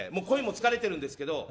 声も疲れてるんですけど。